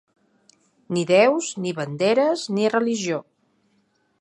Ni déus, ni banderes, ni religió.